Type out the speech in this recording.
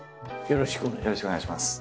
よろしくお願いします。